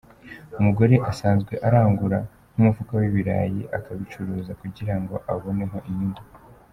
Umugore asanzwe arangura nk’umufuka w’ibirayi, akabicuruza kugira ngo aboneho inyungu.